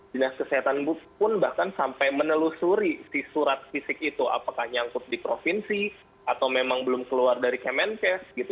dinas kesehatan pun bahkan sampai menelusuri si surat fisik itu apakah nyangkut di provinsi atau memang belum keluar dari kemenkes gitu